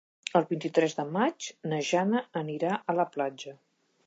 El vint-i-tres de maig na Jana anirà a la platja.